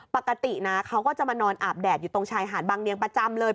ปกตินะเขาก็จะมานอนอาบแดดอยู่ตรงชายหาดบางเนียงประจำเลย